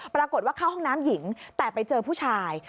ปรากฏว่าเข้าห้องน้ำหญิงแต่ไปเจอผู้ชาย